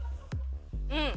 うん！